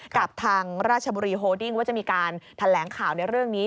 กับทางราชบุรีโฮดิ้งว่าจะมีการแถลงข่าวในเรื่องนี้